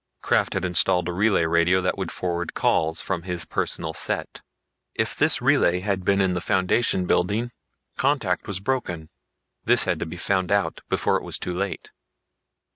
Krafft had installed a relay radio that would forward calls from his personal set. If this relay had been in the Foundation building, contact was broken. This had to be found out before it was too late.